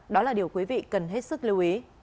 đó là điều quý vị cần hết sức lưu ý